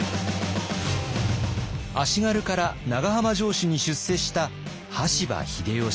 足軽から長浜城主に出世した羽柴秀吉。